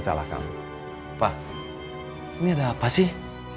pak ini ada apa sih